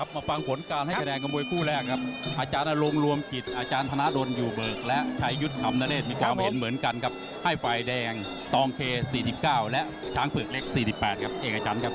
มีความเห็นเหมือนกันครับให้ไฟแดงตองเค๔๙และช้างเผือกเล็ก๔๘ครับเอกอาจารย์ครับ